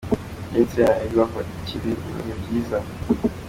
Lindsay na Egor bakiri mu bihe byiza.